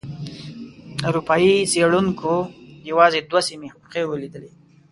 اروپایي څېړونکو یوازې دوه سیمې ښه ولیدلې.